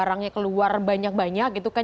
orangnya keluar banyak banyak gitu kan